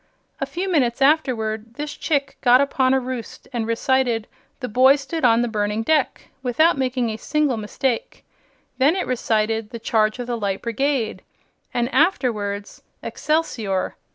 A few minutes afterward this chick got upon a roost and recited 'The Boy Stood on the Burning Deck' without making a single mistake. Then it recited 'The Charge of the Light Brigade' and afterwards 'Excelsior.'